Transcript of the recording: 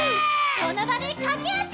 「その場でかけあし！」